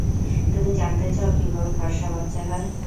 তুমিও জানতে চাও কীভাবে ফর্সা বাচ্চা হয়?